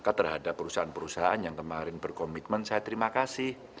maka terhadap perusahaan perusahaan yang kemarin berkomitmen saya terima kasih